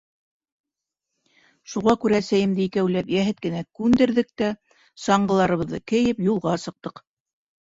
Шуға күрә әсәйемде икәүләп йәһәт кенә күндерҙек тә, саңғыларыбыҙҙы кейеп, юлға сыҡтыҡ.